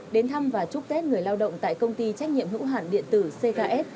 đến thăm và chúc tết người lao động tại công ty trách nhiệm hữu hạn điện tử cks